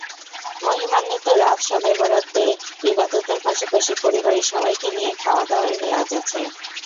মহিমান্বিত রাত শবে বরাতে ইবাদতের পাশাপাশি পরিবারের সবাইকে নিয়ে খাওয়াদাওয়ার রেওয়াজ আছে।